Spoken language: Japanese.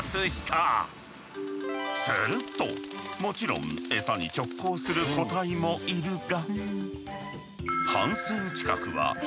するともちろん餌に直行する個体もいるが。